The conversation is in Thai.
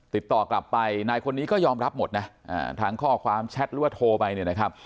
ติดต่อกลับไปนายคนนี้ก็ยอมรับหมดนะทางข้อความแชทหรือว่าโทรไปเนี่ยนะครับ